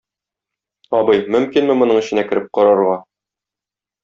Абый, мөмкинме моның эченә кереп карарга?